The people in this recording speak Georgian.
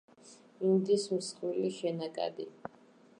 ინდის მსხვილი შენაკადი.